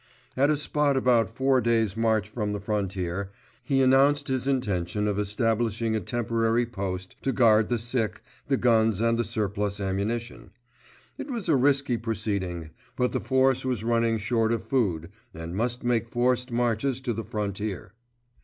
At a spot about four days' march from the frontier, he announced his intention of establishing a temporary post to guard the sick, the guns and the surplus ammunition. It was a risky proceeding; but the force was running short of food, and must make forced marches to the frontier.